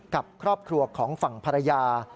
กับครอบครัวของฝั่งภรรยา